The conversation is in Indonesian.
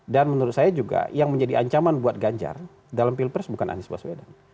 dan menurut saya juga yang menjadi ancaman buat ganjar dalam pilpres bukan anies baswedan